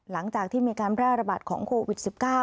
หลังจากที่มีการแพร่ระบาดของโควิด๑๙